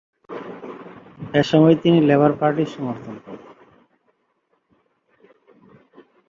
এসময় তিনি লেবার পার্টির সমর্থন পান।